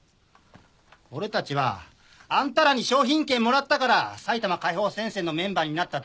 俺たちはあんたらに商品券もらったから埼玉解放戦線のメンバーになっただけだし。